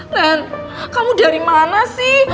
nah kamu dari mana sih